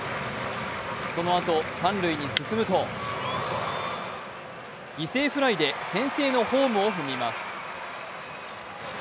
そのあと、三塁に進むと犠牲フライで先制のホームを踏みます。